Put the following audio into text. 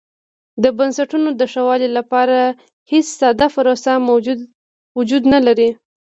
د بنسټونو د ښه والي لپاره هېڅ ساده پروسه وجود نه لري.